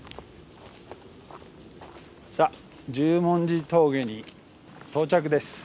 さあ十文字峠に到着です。